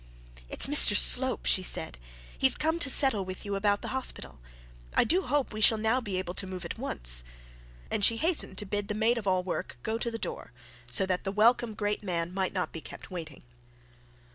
'It's Mr Slope,' she said. 'He's come to settle with you about the hospital. I do hope we shall now be able to move at once.' And she hastened to bid the maid of all work to go to the door, so that the welcome great man might not be kept waiting.